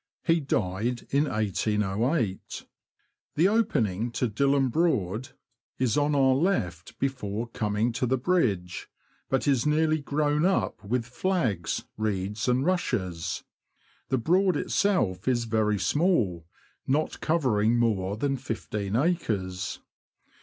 He died in 1808. The opening to Dilham Broad is on our left before coming to the bridge, but is nearly grown up with flags, reeds, and rushes. The Broad itself is very small, not covering more than fifteen acres.